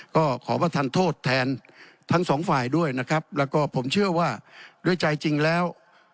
ก็ขอประทานโทษแทนทั้งสองฝ่ายด้วยนะครับแล้วก็ผมเชื่อว่าด้วยใจจริงแล้ว